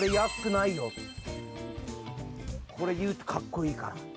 これいうとかっこいいから。